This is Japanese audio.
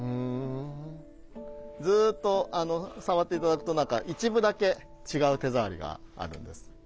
ずっとさわって頂くと何か一部だけ違う手触りがあるんです。